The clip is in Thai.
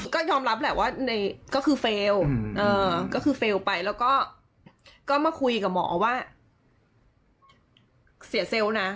ก็ยอมรับแหละว่าก็คือเฟลไปแล้วก็มาคุยกับหมอว่าเสียเซลล์นะ